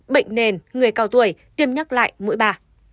bệnh nền người cao tuổi tiêm nhắc lại mũi bà